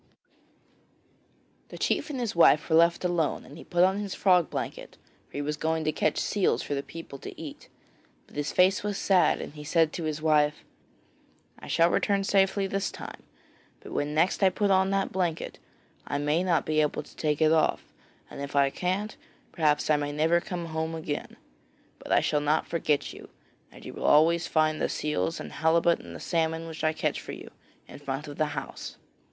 The chief and his wife were left alone and he put on his frog blanket, for he was going to catch seals for the people to eat. But his face was sad and he said to his wife: 'I shall return safely this time, but when next I put on that blanket I may not be able to take it off, and if I can't, perhaps I may never come home again. But I shall not forget you, and you will always find the seals and halibut and the salmon, which I shall catch for you, in front of the house.'